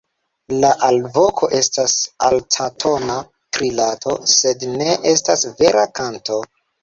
La alvoko estas altatona trilado sed ne estas vera kanto.